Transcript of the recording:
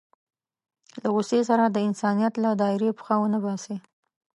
له غوسې سره د انسانيت له دایرې پښه ونه باسي.